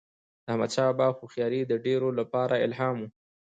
د احمدشاه بابا هوښیاري د ډیرو لپاره الهام و.